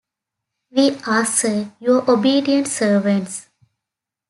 We are, Sir, Your obedient servants.